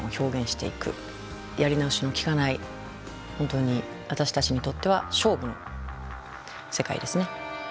やり直しのきかない本当に私たちにとっては勝負の世界ですね。